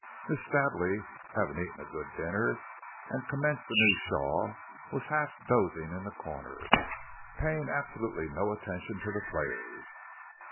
Miss Stably having eaten a good dinner and commenced a new shawl was half dosing in the corner, and paying absolutely no attention to the players.